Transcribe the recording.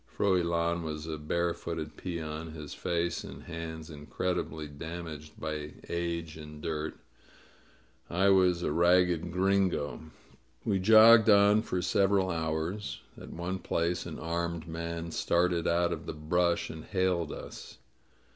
Froilan was a barefooted peon, his face and hands incredibly damaged by age and dirt; I was a ragged Gringo. ••• We jogged on for several hours. At one place an armed man started out of the brush and hailed us.